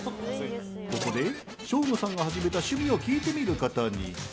ここでショーゴさんが始めた趣味を聞いてみることに。